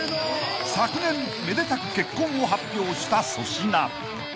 ［昨年めでたく結婚を発表した粗品］